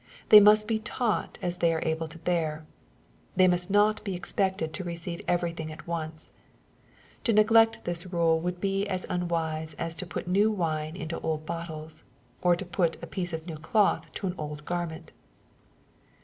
They must be taught as they are able to bear. They must not be expected to receive eveiything at once. To neglect this rule would be as unwise as to " put new wine into old bottles/' or to put " a piece of new cloth to an old garment."